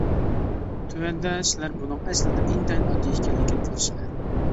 تۆۋەندە سىلەر بۇنىڭ ئەسلىدە ئىنتايىن ئاددىي ئىكەنلىكىنى كۆرىسىلەر.